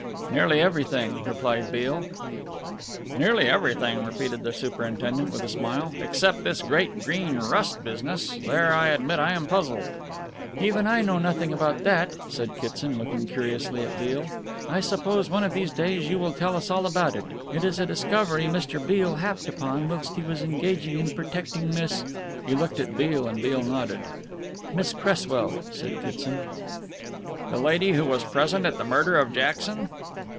"Nearly everything," replied Beale. "Nearly everything," repeated the superintendent with a smile, "except this great Green Rust business. There I admit I am puzzled." "Even I know nothing about that," said Kitson, looking curiously at Beale. "I suppose one of these days you will tell us all about it. It is a discovery Mr. Beale happed upon whilst he was engaged in protecting Miss " He looked at Beale and Beale nodded "Miss Cresswell," said Kitson. "The lady who was present at the murder of Jackson?"